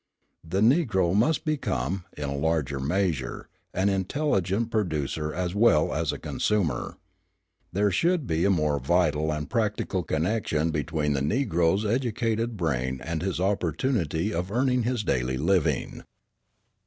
The Negro must become, in a larger measure, an intelligent producer as well as a consumer. There should be a more vital and practical connection between the Negro's educated brain and his opportunity of earning his daily living.